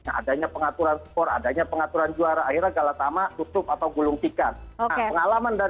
nah adanya pengaturan skor adanya pengaturan juara akhirnya galatama tutup atau gulung tikar